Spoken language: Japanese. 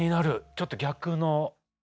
ちょっと逆の。